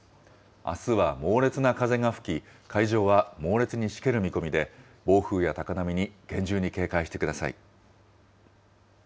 あすは猛烈な風が吹き、海上は猛烈にしける見込みで、暴風や高波に厳重に警戒してください。